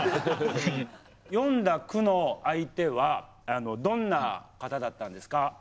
詠んだ句の相手はどんな方だったんですか？